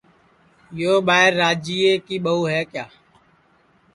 یو ٻائیر راجِئے ٻہُو ہے کِیا